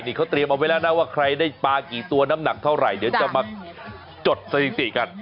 เขาเตรียมเอาไว้แล้วนะว่าใครได้ปลากี่ตัวน้ำหนักเท่าไหร่เดี๋ยวจะมาจดสถิติกัน